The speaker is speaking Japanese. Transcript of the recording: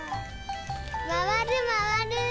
まわるまわる！